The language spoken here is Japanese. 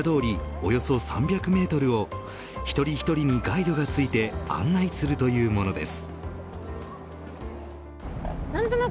およそ３００メートルを一人一人にガイドがついて案内するというものです。